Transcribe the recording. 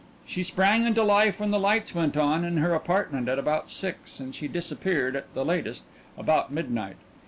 She sprang into life when the lights went on in her apartment at about six, and she disappeared, at the latest, about midnight.